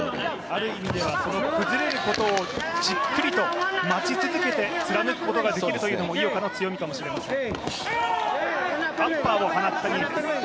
ある意味では崩れることをじっくりと待ち続けて貫くことができるというのも井岡の強みかもしれません。